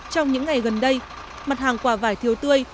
trong những ngày gần đây mặt hàng quả vải thiếu tươi